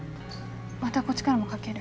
またこっちからもかける。